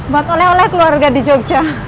buat oleh oleh keluarga di jogja